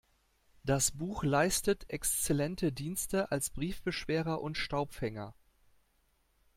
Das Buch leistet exzellente Dienste als Briefbeschwerer und Staubfänger.